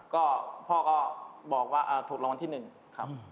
ก็พ่อก็บอกว่าถูกรางวัลที่๑ครับ